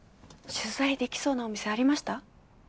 取材できそうなお店ありました？